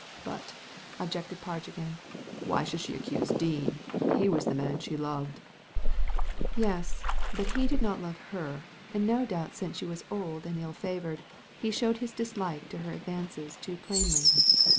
"But,'' objected Parge, again, "why should she accuse Dean ? He was the man she loved." " Yes ; but he did not love her, and no doubt since she was old and ill favoured, he showed his dislike to her advances too plainly.